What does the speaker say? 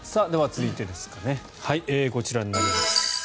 続いて、こちらになります。